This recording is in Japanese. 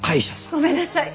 ごめんなさい！